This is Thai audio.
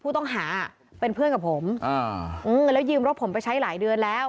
ผู้ต้องหาเป็นเขอะพี่สชาติกันนั้นแล้วยืมรถผมไปใช้หลายเดือนแล้ว